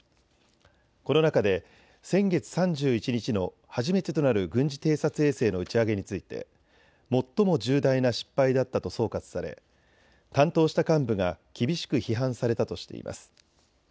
この中で先月３１日の初めてとなる軍事偵察衛星の打ち上げについて最も重大な失敗だったと総括され担当した幹部が厳しく批判されたとしています。